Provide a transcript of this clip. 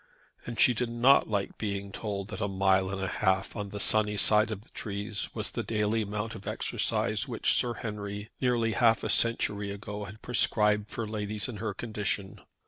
And she did not like being told that a mile and a half on the sunny side of the trees was the daily amount of exercise which Sir Henry, nearly half a century ago, had prescribed for ladies in her condition.